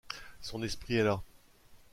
Son esprit est là.